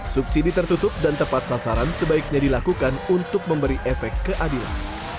subsidi tertutup dan tepat sasaran sebaiknya dilakukan untuk memberi efek keadilan